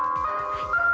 はい。